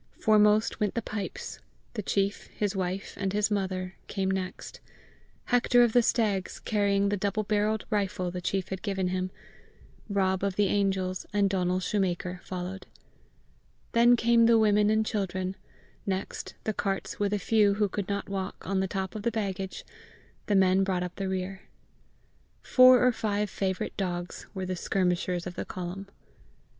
Foremost went the pipes; the chief, his wife, and his mother, came next; Hector of the Stags, carrying the double barrelled rifle the chief had given him, Rob of the Angels, and Donal shoemaker, followed. Then came the women and children; next, the carts, with a few, who could not walk, on the top of the baggage; the men brought up the rear. Four or five favourite dogs were the skirmishers of the column.